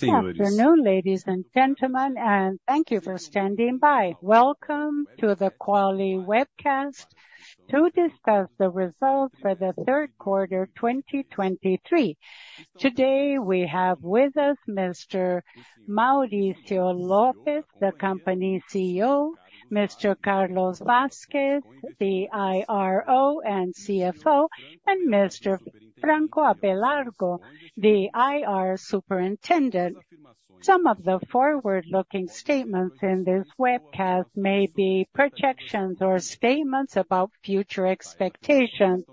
Good afternoon, ladies and gentlemen, and thank you for standing by. Welcome to the Qualicorp webcast to discuss the results for the third quarter, 2023. Today, we have with us Mr. Mauricio Lopes, the company's CEO, Mr. Carlos Vasques, the IRO and CFO, and Mr. Franco Abelardo, the IR Superintendent. Some of the forward-looking statements in this webcast may be projections or statements about future expectations.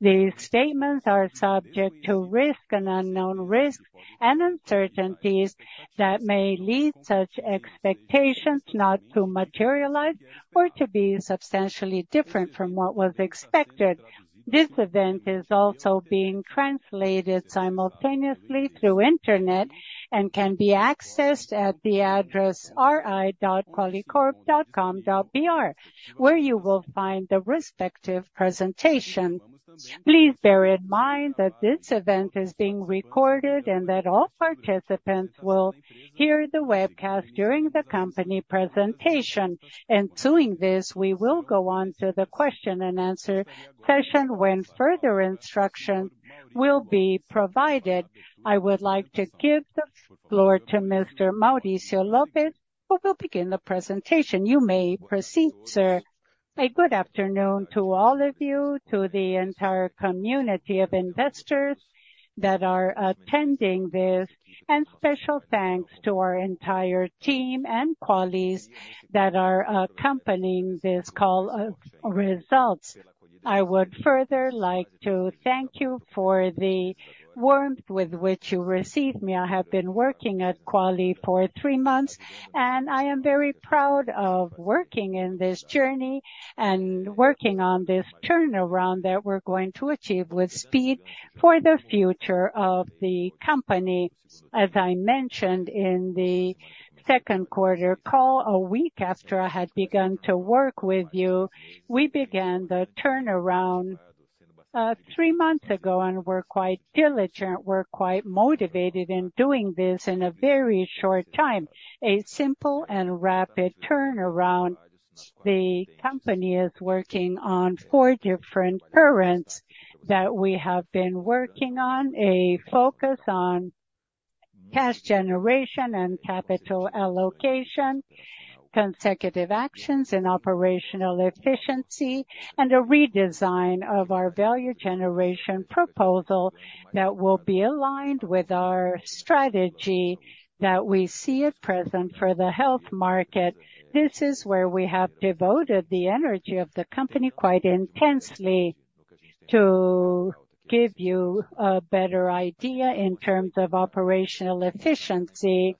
These statements are subject to risk and unknown risks and uncertainties that may lead such expectations not to materialize or to be substantially different from what was expected. This event is also being translated simultaneously through the Internet and can be accessed at the address ri.qualicorp.com.br, where you will find the respective presentation. Please bear in mind that this event is being recorded and that all participants will hear the webcast during the company presentation. Following this, we will go on to the question and answer session, when further instruction will be provided. I would like to give the floor to Mr. Mauricio Lopes, who will begin the presentation. You may proceed, sir. Good afternoon to all of you, to the entire community of investors that are attending this, and special thanks to our entire team and Qualicorp that are accompanying this call of results. I would further like to thank you for the warmth with which you received me. I have been working at Qualicorp for three months, and I am very proud of working in this journey and working on this turnaround that we're going to achieve with speed for the future of the company. As I mentioned in the second quarter call, a week after I had begun to work with you, we began the turnaround three months ago, and we're quite diligent, we're quite motivated in doing this in a very short time. A simple and rapid turnaround. The company is working on four different currents that we have been working on, a focus on cash generation and capital allocation, consecutive actions in operational efficiency, and a redesign of our value generation proposal that will be aligned with our strategy that we see at present for the health market. This is where we have devoted the energy of the company quite intensely. To give you a better idea in terms of operational efficiency,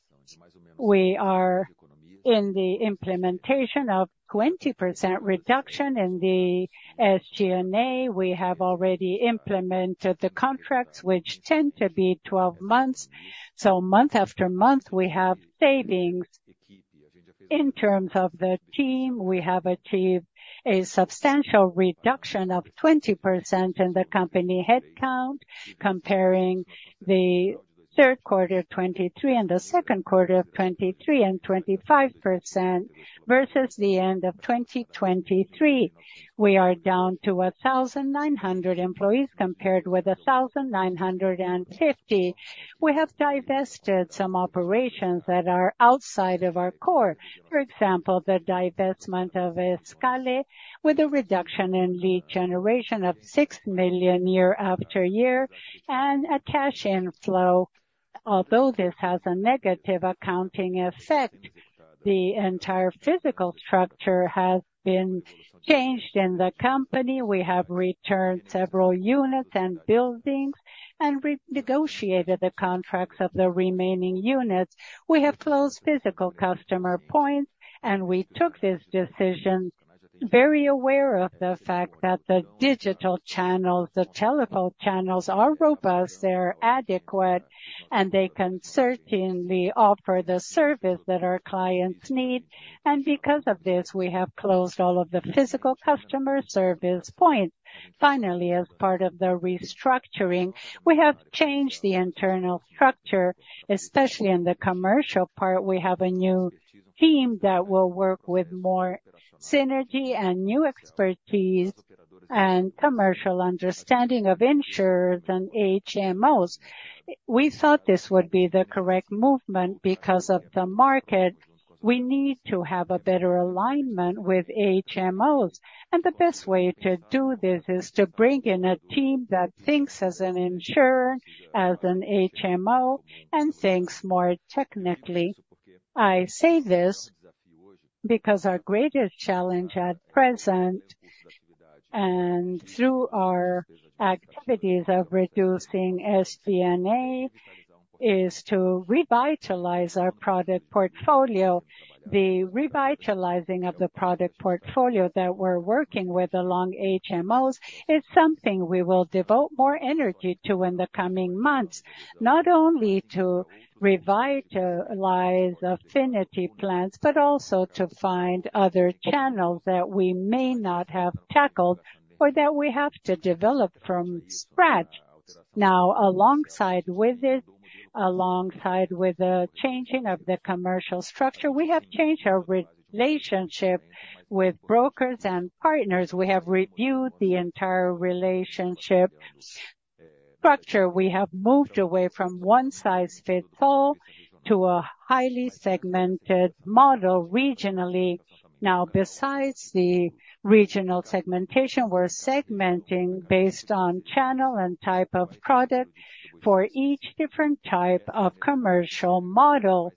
we are in the implementation of 20% reduction in the SG&A. We have already implemented the contracts, which tend to be 12 months, so month after month, we have savings. In terms of the team, we have achieved a substantial reduction of 20% in the company headcount, comparing the third quarter of 2023 and the second quarter of 2023, and 25% versus the end of 2023. We are down to 1,900 employees, compared with 1,950. We have divested some operations that are outside of our core. For example, the divestment of Escale, with a reduction in lead generation of 6 million year after year and a cash inflow. Although this has a negative accounting effect, the entire physical structure has been changed in the company. We have returned several units and buildings and renegotiated the contracts of the remaining units. We have closed physical customer points, and we took this decision, very aware of the fact that the digital channels, the telephone channels, are robust, they're adequate, and they can certainly offer the service that our clients need. And because of this, we have closed all of the physical customer service points. Finally, as part of the restructuring, we have changed the internal structure, especially in the commercial part. We have a new team that will work with more synergy and new expertise and commercial understanding of insurers and HMOs. We thought this would be the correct movement. Because of the market, we need to have a better alignment with HMOs, and the best way to do this is to bring in a team that thinks as an insurer, as an HMO, and thinks more technically. I say this because our greatest challenge at present, and through our activities of reducing SG&A, is to revitalize our product portfolio. The revitalizing of the product portfolio that we're working with along HMOs is something we will devote more energy to in the coming months, not only to revitalize Affinity plans, but also to find other channels that we may not have tackled or that we have to develop from scratch. Now, alongside with it, alongside with the changing of the commercial structure, we have changed our relationship with brokers and partners. We have reviewed the entire relationship structure, we have moved away from one size fits all to a highly segmented model regionally. Now, besides the regional segmentation, we're segmenting based on channel and type of product for each different type of commercial model.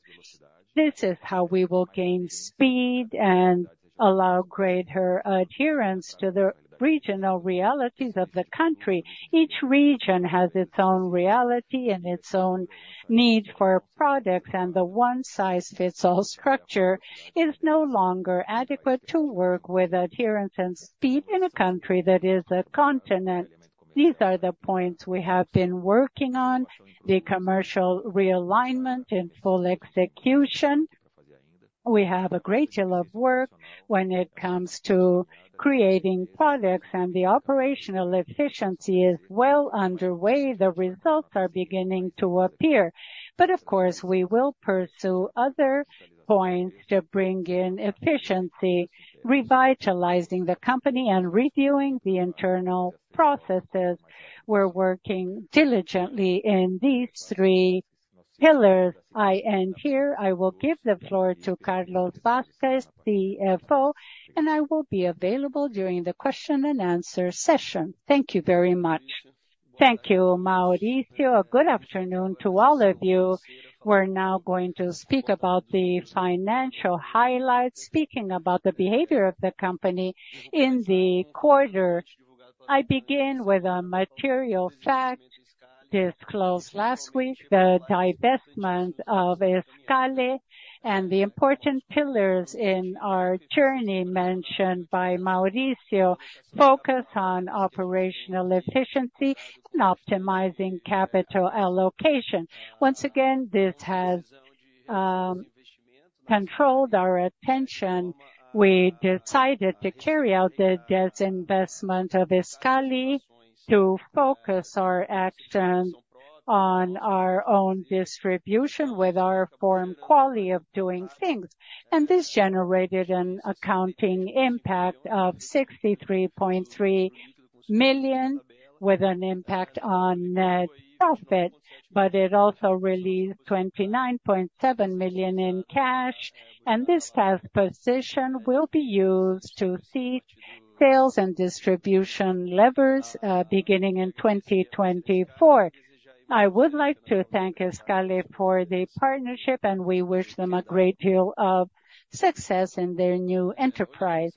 This is how we will gain speed and allow greater adherence to the regional realities of the country. Each region has its own reality and its own need for products, and the one size fits all structure is no longer adequate to work with adherence and speed in a country that is a continent. These are the points we have been working on, the commercial realignment in full execution. We have a great deal of work when it comes to creating products, and the operational efficiency is well underway. The results are beginning to appear. But of course, we will pursue other points to bring in efficiency, revitalizing the company and reviewing the internal processes. We're working diligently in these three pillars. I end here. I will give the floor to Carlos Vasques, CFO, and I will be available during the question and answer session. Thank you very much. Thank you, Mauricio. Good afternoon to all of you. We're now going to speak about the financial highlights. Speaking about the behavior of the company in the quarter, I begin with a material fact disclosed last week, the divestment of Escale and the important pillars in our journey mentioned by Mauricio, focus on operational efficiency and optimizing capital allocation. Once again, this has controlled our attention. We decided to carry out the disinvestment of Escale to focus our action on our own distribution with our foreign quality of doing things, and this generated an accounting impact of 63.3 million, with an impact on net profit, but it also released 29.7 million in cash, and this cash position will be used to seek sales and distribution levers, beginning in 2024. I would like to thank Escale for the partnership, and we wish them a great deal of success in their new enterprise.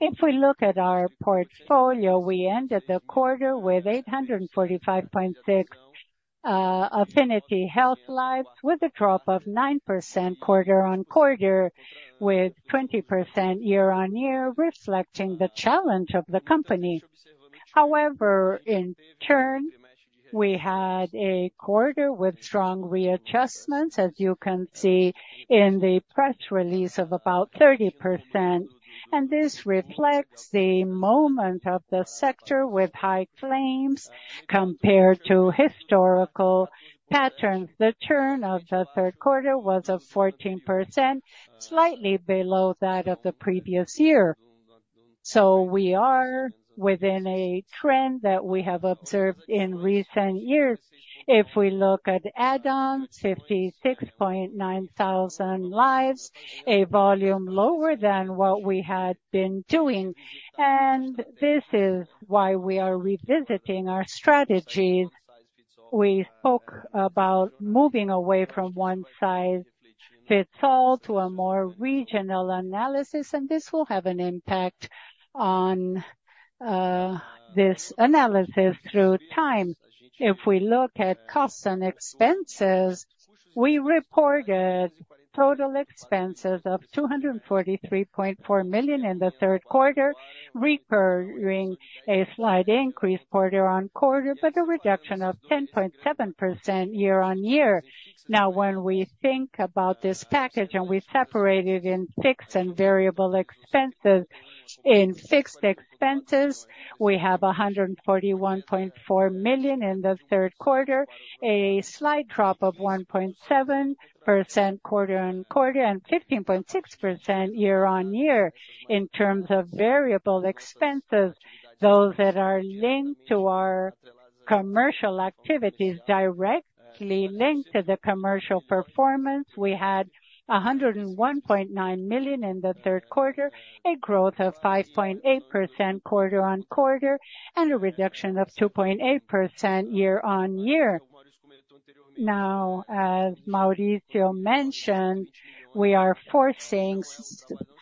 If we look at our portfolio, we ended the quarter with 845.6 Affinity health lives, with a drop of 9% quarter-on-quarter, with 20% year-on-year, reflecting the challenge of the company. However, in churn, we had a quarter with strong readjustments, as you can see in the press release, of about 30%, and this reflects the moment of the sector with high claims compared to historical patterns. The churn of the third quarter was a 14%, slightly below that of the previous year. So we are within a trend that we have observed in recent years. If we look at add-ons, 56.9 thousand lives, a volume lower than what we had been doing, and this is why we are revisiting our strategies. We spoke about moving away from one size fits all to a more regional analysis, and this will have an impact on this analysis through time. If we look at costs and expenses, we reported total expenses of 243.4 million in the third quarter, recording a slight increase quarter-on-quarter, but a reduction of 10.7% year-on-year. Now, when we think about this package and we separate it in fixed and variable expenses, in fixed expenses, we have 141.4 million in the third quarter, a slight drop of 1.7% quarter-on-quarter, and 15.6% year-on-year. In terms of variable expenses, those that are linked to our commercial activities, directly linked to the commercial performance, we had 101.9 million in the third quarter, a growth of 5.8% quarter-on-quarter, and a reduction of 2.8% year-on-year. Now, as Mauricio mentioned, we are forcing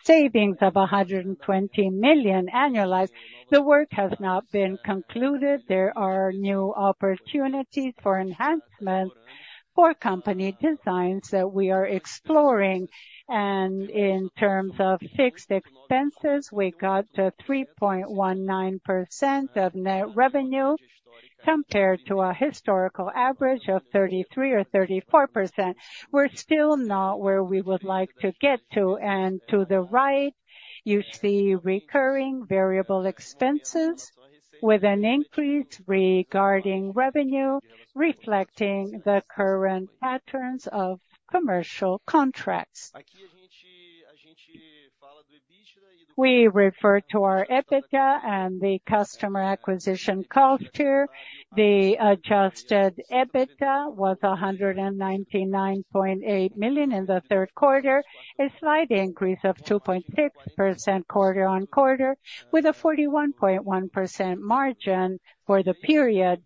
savings of 120 million annualized. The work has not been concluded. There are new opportunities for enhancement, for company designs that we are exploring, and in terms of fixed expenses, we got to 3.19% of net revenue, compared to a historical average of 33% or 34%. We're still not where we would like to get to and to the right, you see recurring variable expenses with an increase regarding revenue, reflecting the current patterns of commercial contracts. We refer to our EBITDA and the customer acquisition cost here. The adjusted EBITDA was 199.8 million in the third quarter, a slight increase of 2.6% quarter-on-quarter, with a 41.1% margin for the period.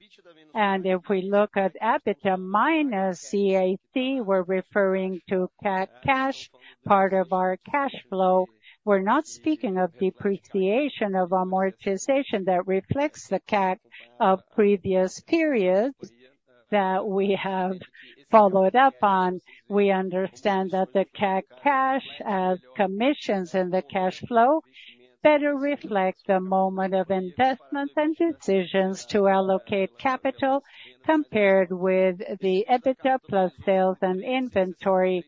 And if we look at EBITDA minus CAC, we're referring to CAC cash, part of our cash flow. We're not speaking of depreciation and amortization that reflects the CAC of previous periods that we have followed up on. We understand that the CAC cash as commissions in the cash flow better reflect the moment of investment and decisions to allocate capital, compared with the EBITDA plus sales and inventory.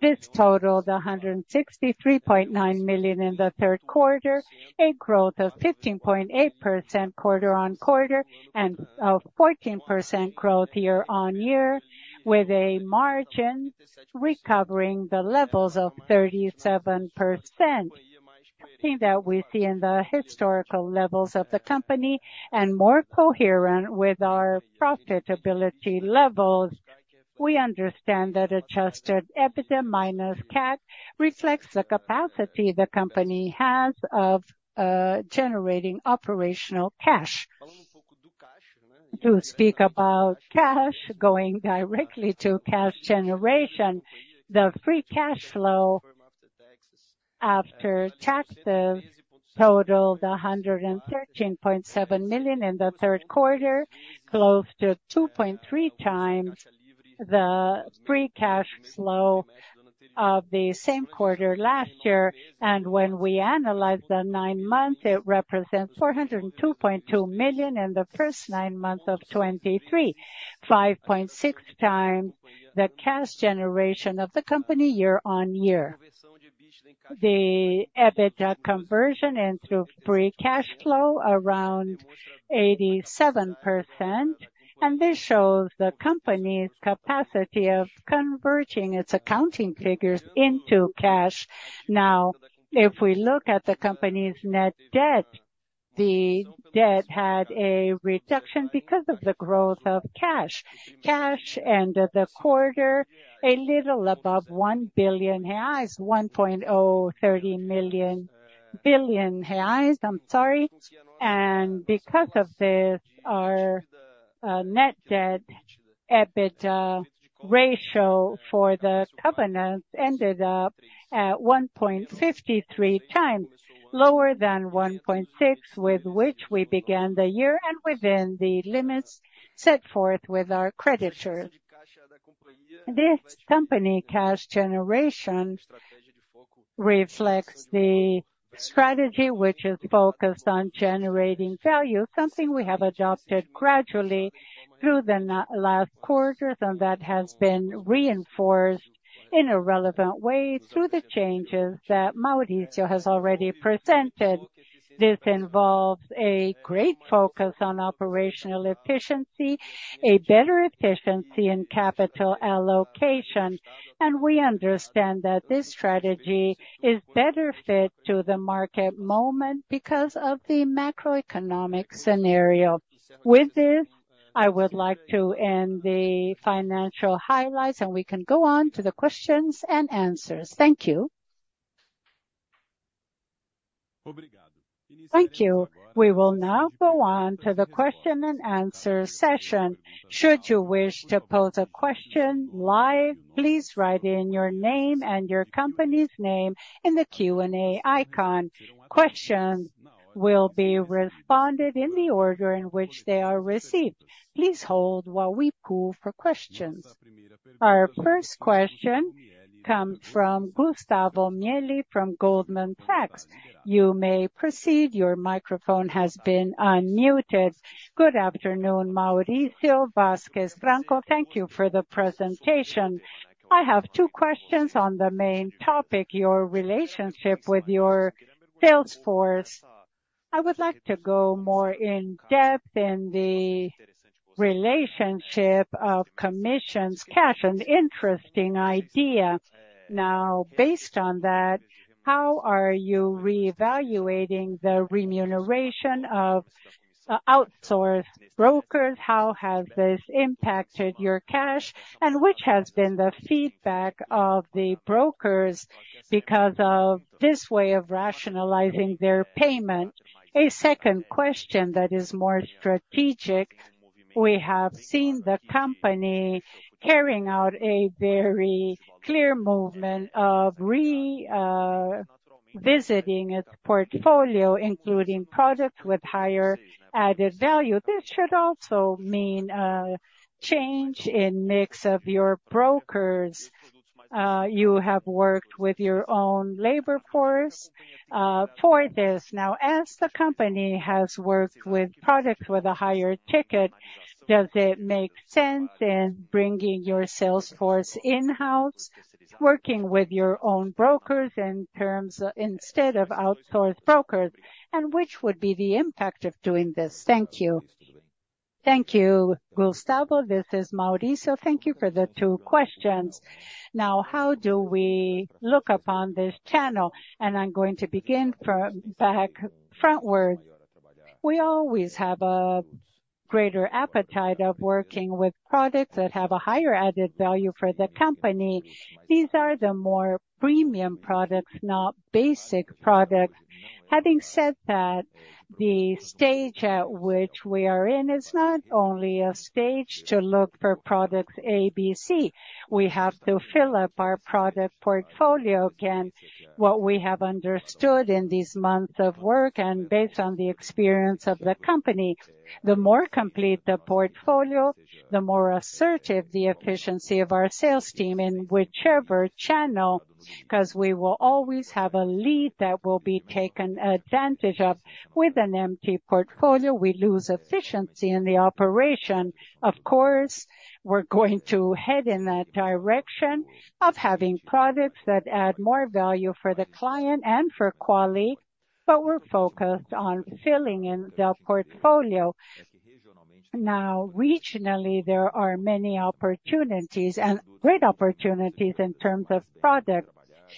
This totaled 163.9 million in the third quarter, a growth of 15.8% quarter-on-quarter, and a 14% growth year-on-year, with a margin recovering the levels of 37%. Something that we see in the historical levels of the company and more coherent with our profitability levels. We understand that adjusted EBITDA minus CAC reflects the capacity the company has of, generating operational cash. To speak about cash, going directly to cash generation, the free cash flow after taxes totaled 113.7 million in the third quarter, close to 2.3x the free cash flow of the same quarter last year. When we analyze the nine months, it represents 402.2 million in the first nine months of 2023, 5.6x the cash generation of the company year-on-year. The EBITDA conversion into free cash flow around 87%, and this shows the company's capacity of converting its accounting figures into cash. Now, if we look at the company's net debt, the debt had a reduction because of the growth of cash. Cash end of the quarter a little above 1 billion reais, 1.03 billion reais, I'm sorry. And because of this, our net debt EBITDA ratio for the covenant ended up at 1.53x, lower than 1.6x, with which we began the year and within the limits set forth with our creditors. This company cash generation reflects the strategy, which is focused on generating value, something we have adopted gradually through the last quarters, and that has been reinforced in a relevant way through the changes that Mauricio has already presented. This involves a great focus on operational efficiency, a better efficiency in capital allocation, and we understand that this strategy is better fit to the market moment because of the macroeconomic scenario. With this, I would like to end the financial highlights, and we can go on to the questions and answers. Thank you. Thank you. We will now go on to the question and answer session. Should you wish to pose a question live, please write in your name and your company's name in the Q&A icon. Questions will be responded in the order in which they are received. Please hold while we poll for questions. Our first question comes from Gustavo Miele from Goldman Sachs. You may proceed. Your microphone has been unmuted. Good afternoon, Mauricio, Vasques, Franco. Thank you for the presentation. I have two questions on the main topic, your relationship with your sales force. I would like to go more in depth in the relationship of commissions, cash, an interesting idea. Now, based on that, how are you reevaluating the remuneration of outsourced brokers? How has this impacted your cash? And which has been the feedback of the brokers because of this way of rationalizing their payment? A second question that is more strategic. We have seen the company carrying out a very clear movement of revisiting its portfolio, including products with higher added value. This should also mean a change in mix of your brokers. You have worked with your own labor force for this. Now, as the company has worked with products with a higher ticket, does it make sense in bringing your sales force in-house, working with your own brokers in terms—instead of outsourced brokers, and which would be the impact of doing this? Thank you. Thank you, Gustavo. This is Mauricio. Thank you for the two questions. Now, how do we look upon this channel? I'm going to begin from back frontward. We always have a greater appetite of working with products that have a higher added value for the company. These are the more premium products, not basic products. Having said that, the stage at which we are in is not only a stage to look for products A, B, C. We have to fill up our product portfolio. Again, what we have understood in these months of work and based on the experience of the company, the more complete the portfolio, the more assertive the efficiency of our sales team in whichever channel, 'cause we will always have a lead that will be taken advantage of. With an empty portfolio, we lose efficiency in the operation. Of course, we're going to head in that direction of having products that add more value for the client and for Qualicorp, but we're focused on filling in the portfolio. Now, regionally, there are many opportunities and great opportunities in terms of products.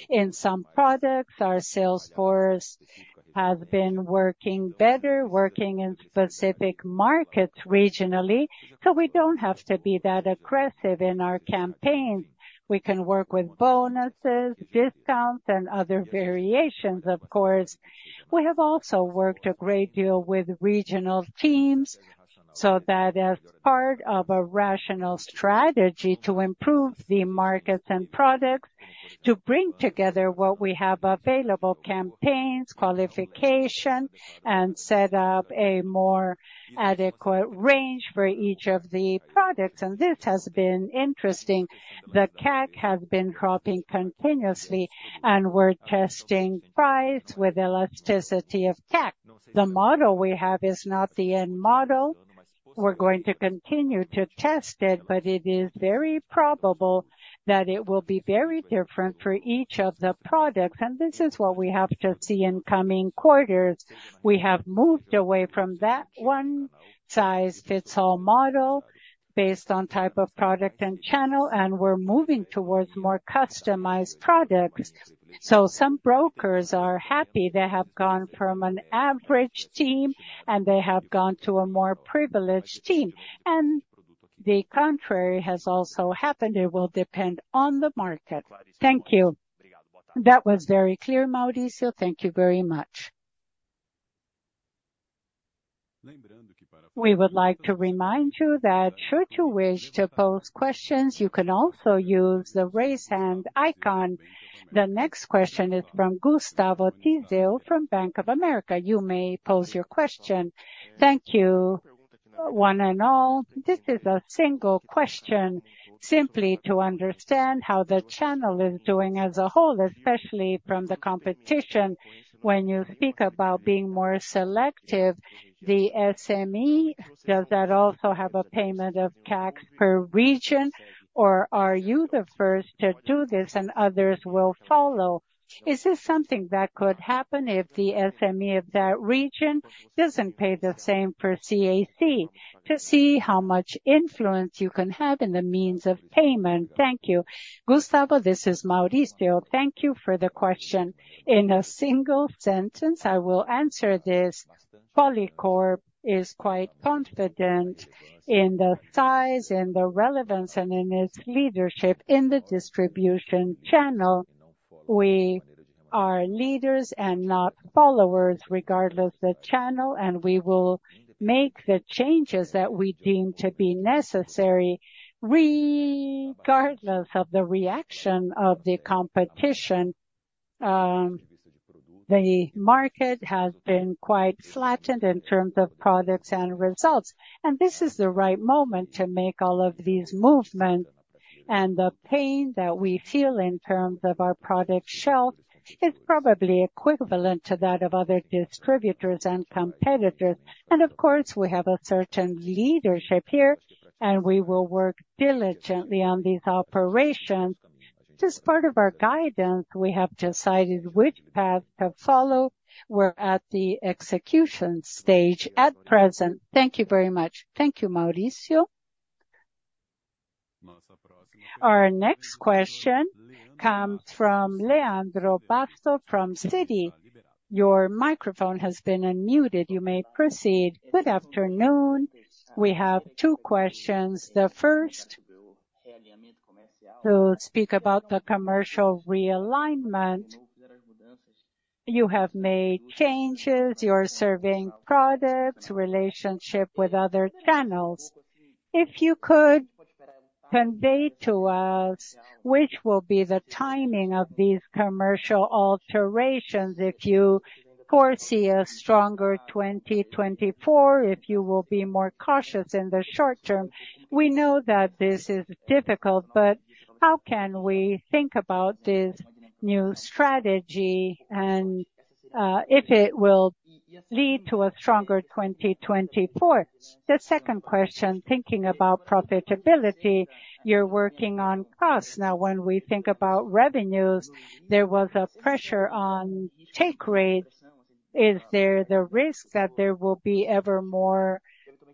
In some products, our sales force has been working better, working in specific markets regionally, so we don't have to be that aggressive in our campaigns. We can work with bonuses, discounts, and other variations, of course. We have also worked a great deal with regional teams, so that as part of a rational strategy to improve the markets and products, to bring together what we have available, campaigns, qualification, and set up a more adequate range for each of the products. This has been interesting. The CAC has been dropping continuously, and we're testing price with elasticity of CAC. The model we have is not the end model. We're going to continue to test it, but it is very probable that it will be very different for each of the products, and this is what we have to see in coming quarters. We have moved away from that one-size-fits-all model based on type of product and channel, and we're moving towards more customized products. Some brokers are happy. They have gone from an average team and they have gone to a more privileged team, and the contrary has also happened. It will depend on the market. Thank you. That was very clear, Mauricio. Thank you very much. We would like to remind you that should you wish to pose questions, you can also use the Raise Hand icon. The next question is from Gustavo Tiseo from Bank of America. You may pose your question. Thank you, one and all. This is a single question, simply to understand how the channel is doing as a whole, especially from the competition. When you speak about being more selective, the SME, does that also have a payment of tax per region, or are you the first to do this and others will follow? Is this something that could happen if the SME of that region doesn't pay the same for CAC, to see how much influence you can have in the means of payment? Thank you. Gustavo, this is Mauricio. Thank you for the question. In a single sentence, I will answer this. Qualicorp is quite confident in the size and the relevance and in its leadership in the distribution channel. We are leaders and not followers, regardless the channel, and we will make the changes that we deem to be necessary, regardless of the reaction of the competition. The market has been quite flattened in terms of products and results, and this is the right moment to make all of these movements. And the pain that we feel in terms of our product shelf is probably equivalent to that of other distributors and competitors. Of course, we have a certain leadership here, and we will work diligently on these operations. Just part of our guidance, we have decided which path to follow. We're at the execution stage at present. Thank you very much. Thank you, Mauricio. Our next question comes from Leandro Bastos from Citi. Your microphone has been unmuted. You may proceed. Good afternoon. We have two questions. The first, to speak about the commercial realignment. You have made changes, you're serving products, relationship with other channels. If you could convey to us which will be the timing of these commercial alterations, if you foresee a stronger 2024, if you will be more cautious in the short term. We know that this is difficult, but how can we think about this... new strategy, and if it will lead to a stronger 2024. The second question, thinking about profitability, you're working on costs. Now, when we think about revenues, there was a pressure on take rates. Is there the risk that there will be ever more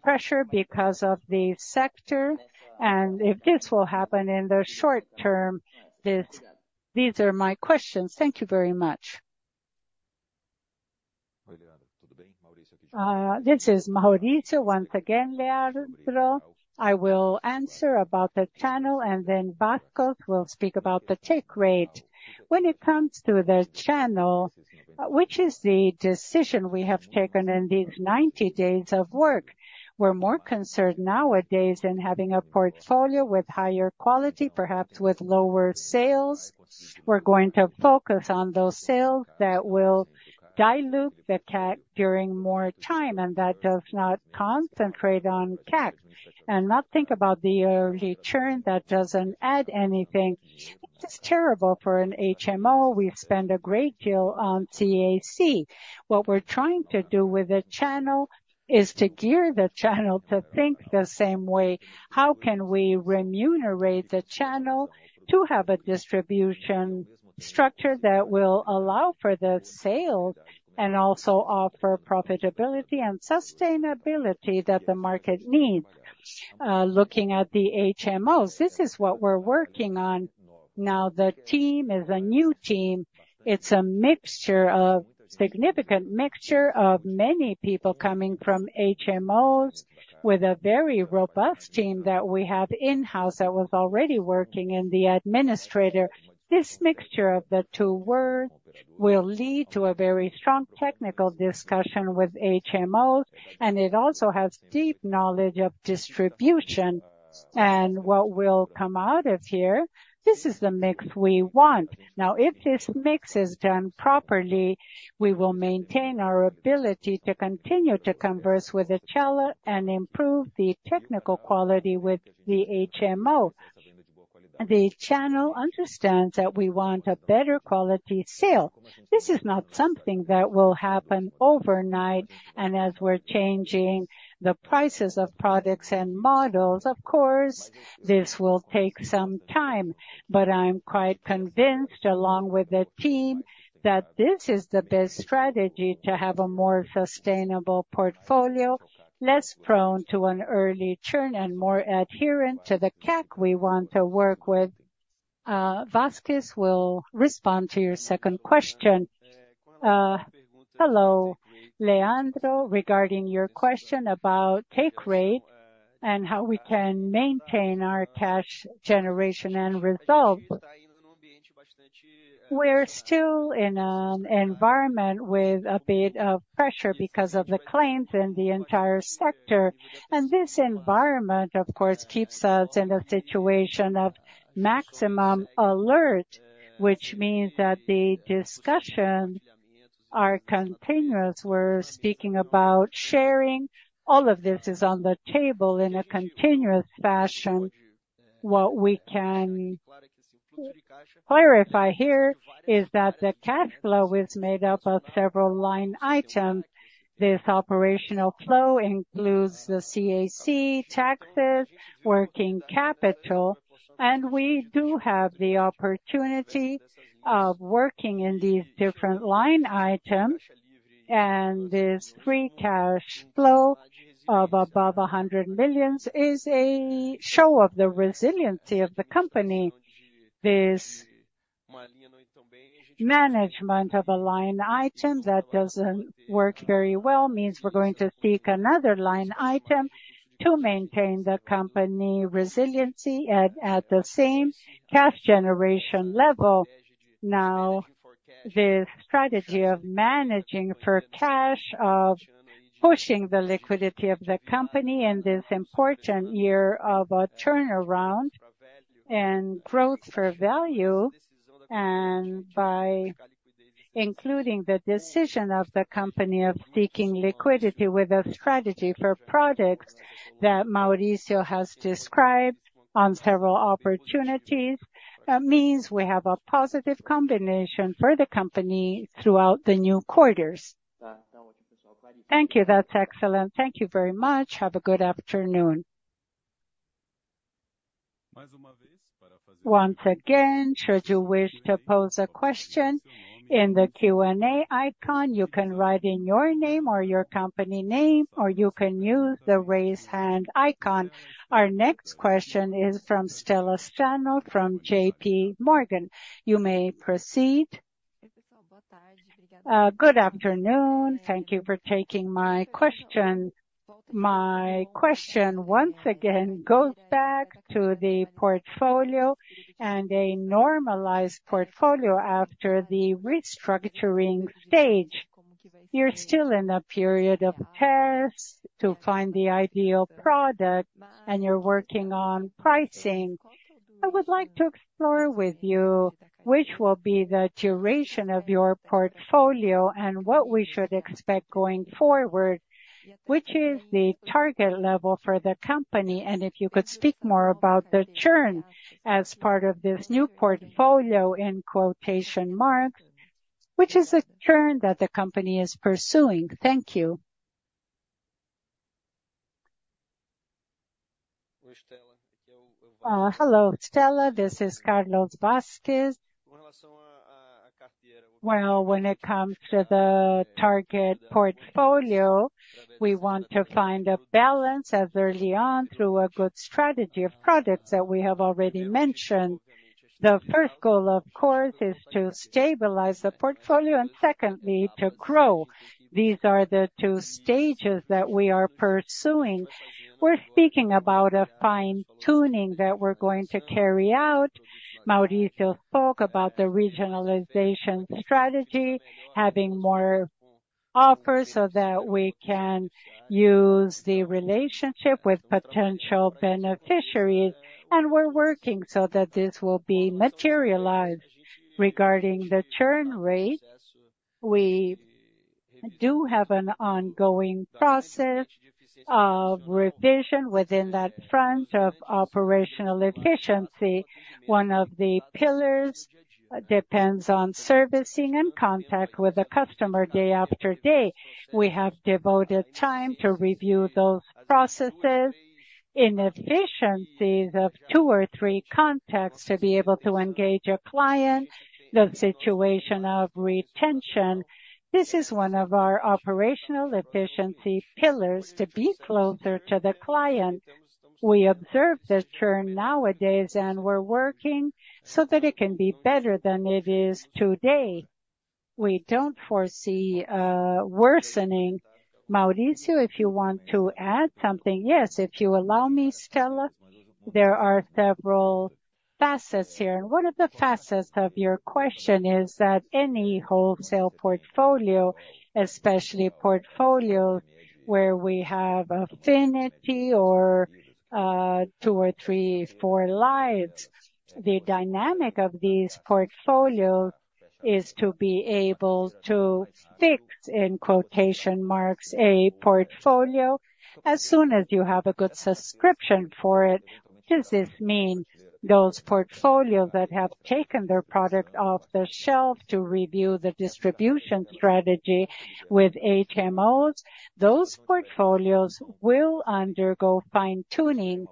pressure because of the sector? And if this will happen in the short term, this--these are my questions. Thank you very much. This is Mauricio. Once again, Leandro, I will answer about the channel, and then Vasques will speak about the take rate. When it comes to the channel, which is the decision we have taken in these 90 days of work, we're more concerned nowadays in having a portfolio with higher quality, perhaps with lower sales. We're going to focus on those sales that will dilute the CAC during more time, and that does not concentrate on CAC and not think about the early churn that doesn't add anything. It's terrible for an HMO. We've spent a great deal on CAC. What we're trying to do with the channel is to gear the channel to think the same way. How can we remunerate the channel to have a distribution structure that will allow for the sale and also offer profitability and sustainability that the market needs? Looking at the HMOs, this is what we're working on. Now, the team is a new team. It's a mixture of significant mixture of many people coming from HMOs with a very robust team that we have in-house, that was already working in the administrator. This mixture of the two worlds will lead to a very strong technical discussion with HMOs, and it also has deep knowledge of distribution. And what will come out of here, this is the mix we want. Now, if this mix is done properly, we will maintain our ability to continue to converse with the channel and improve the technical quality with the HMO. The channel understands that we want a better quality sale. This is not something that will happen overnight, and as we're changing the prices of products and models, of course, this will take some time. But I'm quite convinced, along with the team, that this is the best strategy to have a more sustainable portfolio, less prone to an early churn and more adherent to the CAC we want to work with. Vasques will respond to your second question. Hello, Leandro. Regarding your question about take rate and how we can maintain our cash generation and result. We're still in an environment with a bit of pressure because of the claims in the entire sector, and this environment, of course, keeps us in a situation of maximum alert, which means that the discussions are continuous. We're speaking about sharing. All of this is on the table in a continuous fashion. What we can clarify here is that the cash flow is made up of several line items. This operational flow includes the CAC, taxes, working capital, and we do have the opportunity of working in these different line items. And this free cash flow of above 100 million is a show of the resiliency of the company. This management of a line item that doesn't work very well means we're going to seek another line item to maintain the company resiliency at the same cash generation level. Now, this strategy of managing for cash, of pushing the liquidity of the company in this important year of a turnaround and growth for value, and by including the decision of the company of seeking liquidity with a strategy for products that Mauricio has described on several opportunities, means we have a positive combination for the company throughout the new quarters. Thank you. That's excellent. Thank you very much. Have a good afternoon. Once again, should you wish to pose a question in the Q&A icon, you can write in your name or your company name, or you can use the raise hand icon. Our next question is from Estela Strano, from JP Morgan. You may proceed. Good afternoon. Thank you for taking my question. My question once again goes back to the portfolio and a normalized portfolio after the restructuring stage. You're still in a period of pairs to find the ideal product, and you're working on pricing. I would like to explore with you, which will be the duration of your portfolio and what we should expect going forward, which is the target level for the company, and if you could speak more about the churn as part of this "new portfolio" in quotation marks. Which is the churn that the company is pursuing? Thank you. Hello, Estela, this is Carlos Vasques. Well, when it comes to the target portfolio, we want to find a balance as early on through a good strategy of products that we have already mentioned. The first goal, of course, is to stabilize the portfolio and secondly, to grow. These are the two stages that we are pursuing. We're speaking about a fine-tuning that we're going to carry out. Mauricio spoke about the regionalization strategy, having more offers so that we can use the relationship with potential beneficiaries, and we're working so that this will be materialized. Regarding the churn rate, we do have an ongoing process of revision within that front of operational efficiency. One of the pillars depends on servicing and contact with the customer day after day. We have devoted time to review those processes. Inefficiencies of two or three contacts, to be able to engage a client, the situation of retention, this is one of our operational efficiency pillars, to be closer to the client. We observe the churn nowadays, and we're working so that it can be better than it is today. We don't foresee worsening. Mauricio, if you want to add something? Yes, if you allow me, Estela. There are several facets here, and one of the facets of your question is that any wholesale portfolio, especially portfolio where we have affinity or two or three, four lives, the dynamic of these portfolios is to be able to "fix," in quotation marks, a portfolio as soon as you have a good subscription for it. Does this mean those portfolios that have taken their product off the shelf to review the distribution strategy with HMOs? Those portfolios will undergo fine-tuning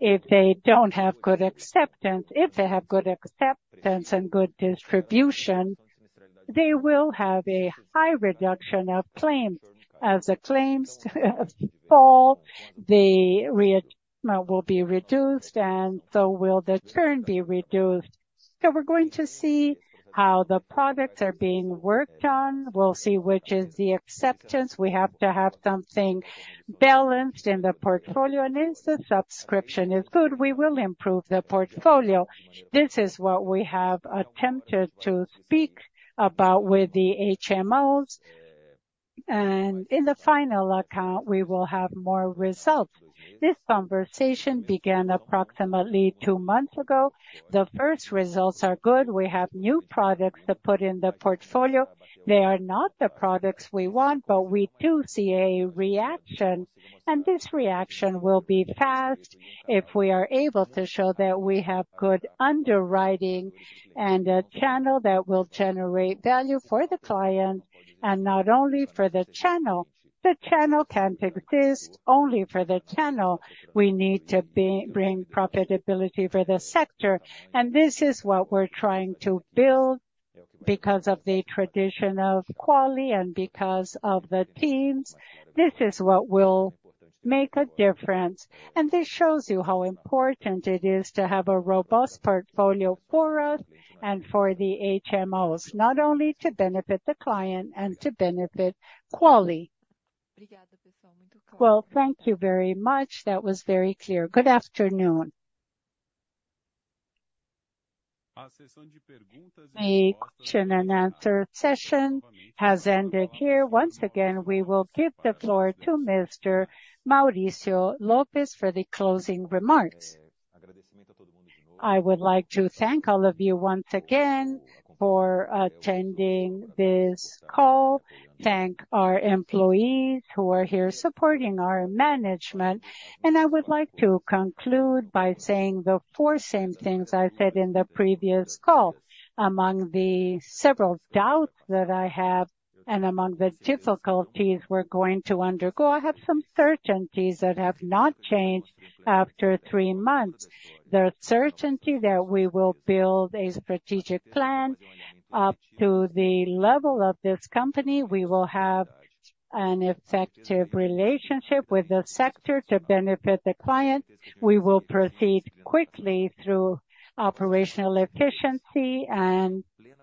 if they don't have good acceptance. If they have good acceptance and good distribution, they will have a high reduction of claims. As the claims fall, the re- will be reduced and so will the churn be reduced. We're going to see how the products are being worked on. We'll see which is the acceptance. We have to have something balanced in the portfolio, and if the subscription is good, we will improve the portfolio. This is what we have attempted to speak about with the HMOs, and in the final account, we will have more results. This conversation began approximately two months ago. The first results are good. We have new products to put in the portfolio. They are not the products we want, but we do see a reaction, and this reaction will be fast if we are able to show that we have good underwriting and a channel that will generate value for the client and not only for the channel. The channel can't exist only for the channel. We need to bring profitability for the sector, and this is what we're trying to build because of the tradition of quality and because of the teams, this is what will make a difference. And this shows you how important it is to have a robust portfolio for us and for the HMOs, not only to benefit the client and to benefit Qualicorp. Well, thank you very much. That was very clear. Good afternoon. The question and answer session has ended here. Once again, we will give the floor to Mr. Mauricio Lopes for the closing remarks. I would like to thank all of you once again for attending this call, thank our employees who are here supporting our management, and I would like to conclude by saying the four same things I said in the previous call. Among the several doubts that I have, and among the difficulties we're going to undergo, I have some certainties that have not changed after three months. The certainty that we will build a strategic plan up to the level of this company, we will have an effective relationship with the sector to benefit the client. We will proceed quickly through operational efficiency and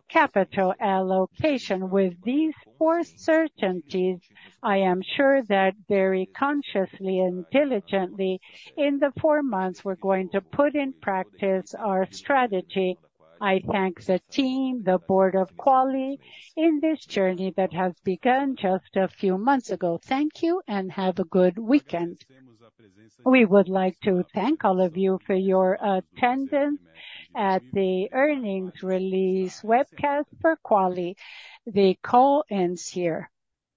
capital allocation. With these four certainties, I am sure that very consciously and diligently, in the four months, we're going to put in practice our strategy. I thank the team, the board of Qualicorp, in this journey that has begun just a few months ago. Thank you and have a good weekend. We would like to thank all of you for your attendance at the earnings release webcast for Qualicorp. The call ends here.